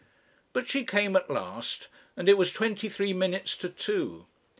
But she came at last, and it was twenty three minutes to two.